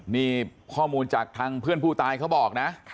นี่ข้อมูลจากทางเพื่อนผู้ตายเขาบอกนะ